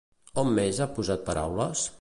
On més ha posat paraules?